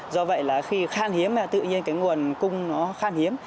do vậy là khi khán hiếm tự nhiên cái nguồn cung nó khán hiếm